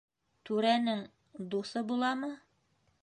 Түрәнең... дуҫы буламы?